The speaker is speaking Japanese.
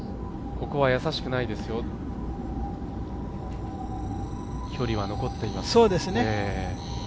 ここは易しくないですよ、距離は残っています。